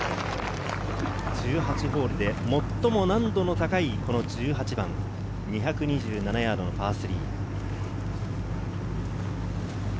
１８ホールで最も難度の高いこの１８番、２２７ヤードのパー３。